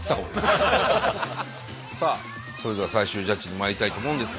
さあそれでは最終ジャッジにまいりたいと思うのですが。